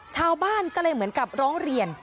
ชาวบ้านก็เลยเหมือนกับร้องเรียน